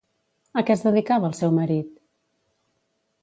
A què es dedicava el seu marit?